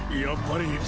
やっぱり。